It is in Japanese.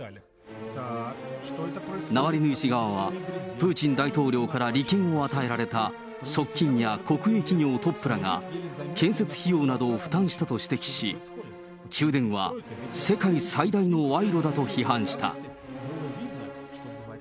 ナワリヌイ氏側は、プーチン大統領から利権を与えられた側近や国営企業トップらが、建設費用などを負担したと指摘し、宮殿は世界最大の賄賂だと批判した。